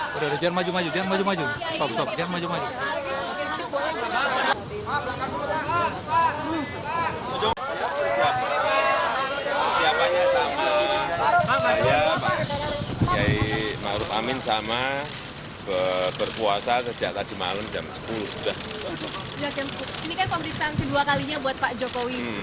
pemeriksaan kedua kalinya buat pak jokowi